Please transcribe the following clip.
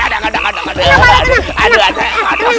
enggak parah tenang